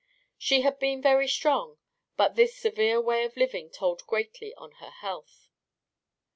She had been very strong, but this severe way of living told greatly on her health.